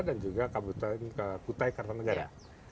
dan juga kabupaten kutai kartanegara